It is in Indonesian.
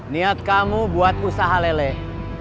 niat kamu buat usaha leleh